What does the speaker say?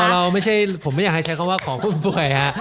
แต่เราไม่ใช่ผมไม่อยากใช้คำว่าของฟุ่มเฟื่อยค่ะ